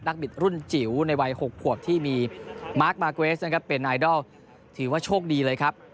บิดรุ่นจิ๋วในวัย๖ขวบที่มีมาร์คมาร์เกรสนะครับเป็นไอดอลถือว่าโชคดีเลยครับ